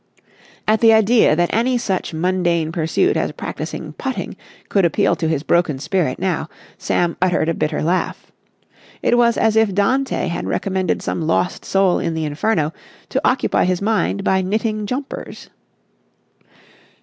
At the idea that any such mundane pursuit as practising putting could appeal to his broken spirit now, Sam uttered a bitter laugh. It was as if Dante had recommended some lost soul in the Inferno to occupy his mind by knitting jumpers.